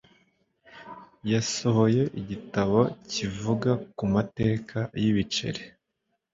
Yasohoye igitabo kivuga ku mateka y'ibiceri.